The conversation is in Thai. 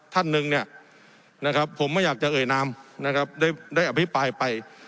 ท่านหนึ่งเนี่ยนะครับผมไม่อยากจะเอ่ยนามนะครับได้อภิปรายไป